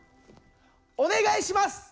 お願いします！